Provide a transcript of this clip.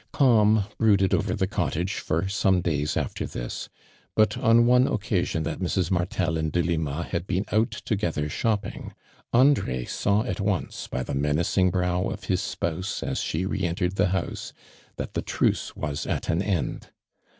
Calm brooded over tho cottage for somo days after this, but on one ocw»*ion that Mrs. Martel and Delima had been out to gether shopping, Andre saw at once, by tho menacing brow of his spouse as she re en te* '^d the house, that the truce was at an end.